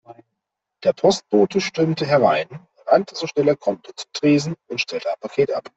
Der Postbote stürmte herein, rannte so schnell er konnte zum Tresen und stellte ein Paket ab.